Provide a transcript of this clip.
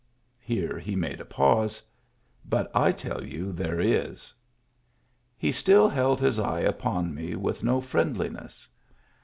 (Here he made a pause.) " But I tell you there is." He still held his eye upon me with no friendli ness.